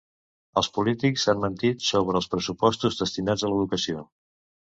Els polítics han mentit sobre els pressupostos destinats a l'educació.